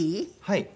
はい。